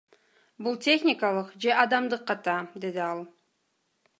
Бул техникалык же адамдык ката, — деди ал.